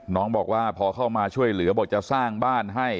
น้องบอกว่าพอเข้ามาช่วยเหลือบอกจะสร้างบ้านให้